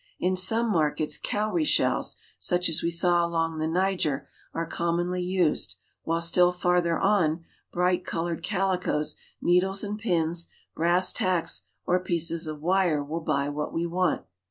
In some markets cowrie shells, such as we saw along the Niger, are commonly used, while still farther on bright colored calicoes, needles, and pins, brass tacks, or pieces of wire will buy what we want.